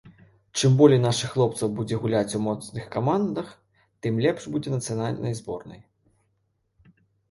Чым болей нашых хлопцаў будзе гуляць у моцных каманд, тым лепш будзе нацыянальнай зборнай.